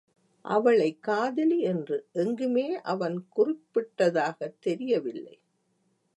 அவளைக் காதலி என்று எங்குமே அவன் குறிப்பிட்டதாகத் தெரிய வில்லை.